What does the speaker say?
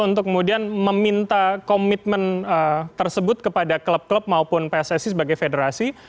untuk kemudian meminta komitmen tersebut kepada klub klub maupun pssi sebagai federasi